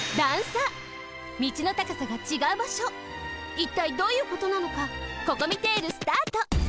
いったいどういうことなのかココミテールスタート！